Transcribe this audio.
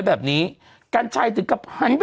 นะฮะส่วนแอปเนี่ยก็กำลังดูแลเรื่องศพเมียอยู่ก็วิ่งหนี